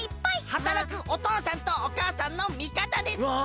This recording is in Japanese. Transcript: はたらくおとうさんとおかあさんのみかたです！わ！